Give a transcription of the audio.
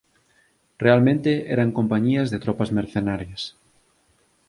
Realmente, eran compañías de tropas mercenarias